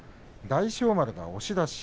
大翔丸、押し出し。